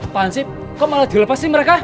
tansip kok malah dilepasin mereka